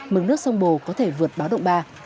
mực nước sông bồ có thể vượt báo động ba